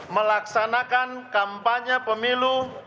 melaksanakan kampanye pemilu